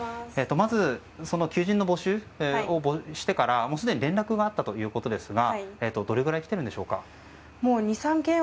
まず、求人の募集をしてからすでに連絡があったということですがどれぐらい来ているんですか？